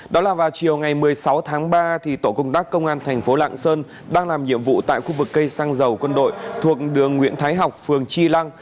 đó là vào chiều ngày một mươi sáu tháng ba tổ công tác công an thành phố lạng sơn đang làm nhiệm vụ tại khu vực cây xăng dầu quân đội thuộc đường nguyễn thái học phường chi lăng